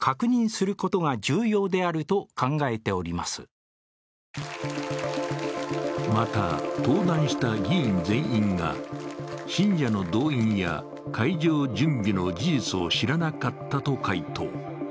今後の対応についてはまた、登壇した議員全員が信者の動員や会場準備の事実を知らなかったと回答。